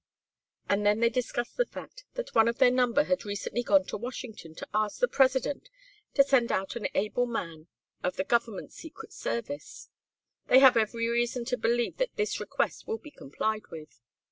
"And then they discussed the fact that one of their number had recently gone to Washington to ask the President to send out an able man of the Government Secret Service; they have every reason to believe that this request will be complied with.